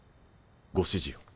ご指示を。